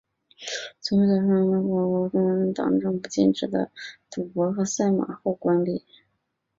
总会在中华人民共和国共产党政府禁止赌博和赛马后关闭。